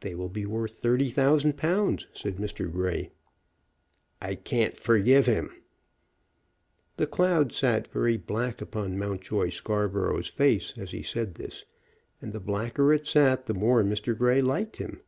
"They will be worth thirty thousand pounds," said Mr. Grey. "I can't forgive him." The cloud sat very black upon Mountjoy Scarborough's face as he said this, and the blacker it sat the more Mr. Grey liked him.